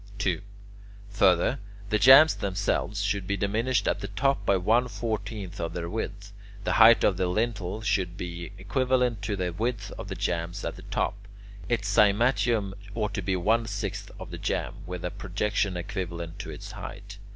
[Note 4: Codd. duae.] 2. Further, the jambs themselves should be diminished at the top by one fourteenth of their width. The height of the lintel should be equivalent to the width of the jambs at the top. Its cymatium ought to be one sixth of the jamb, with a projection equivalent to its height.